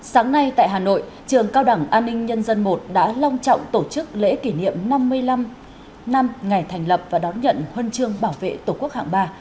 sáng nay tại hà nội trường cao đẳng an ninh nhân dân i đã long trọng tổ chức lễ kỷ niệm năm mươi năm năm ngày thành lập và đón nhận huân chương bảo vệ tổ quốc hạng ba